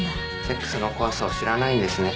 セックスの怖さを知らないんですね。